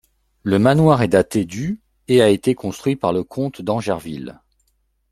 Le manoir est daté du et a été construit par le comte d'Angerville.